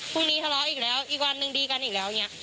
ทะเลาะอีกแล้วอีกวันหนึ่งดีกันอีกแล้วอย่างนี้